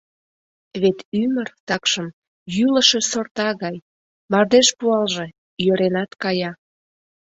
Вет ӱмыр, такшым, йӱлышӧ сорта гай: мардеж пуалже — йӧренат кая.